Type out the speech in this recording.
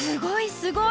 すごい！